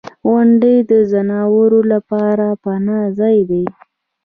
• غونډۍ د ځناورو لپاره پناه ځای دی.